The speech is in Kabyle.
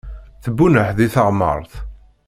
Tebbuneḥ di teɣmert.